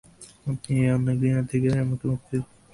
আপনি এই অন্যায় ঘৃণা থেকে তাকে মুক্তি দিয়েছেন।